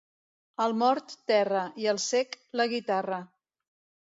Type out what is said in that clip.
Al mort, terra, i al cec, la guitarra.